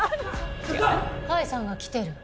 甲斐さんが来てる？